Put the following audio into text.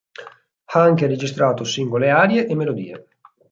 Ha anche registrato singole arie e melodie.